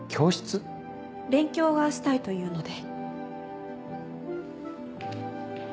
勉強がしたいというので。